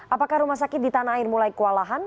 apakah rumah sakit di tanah air mulai kewalahan